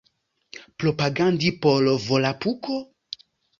Propagandi por Volapuko?